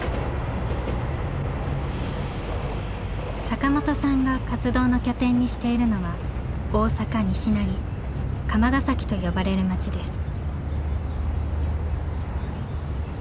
坂本さんが活動の拠点にしているのは釜ヶ崎と呼ばれる街です。